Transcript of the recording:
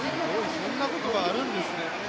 そんなことがあるんですね。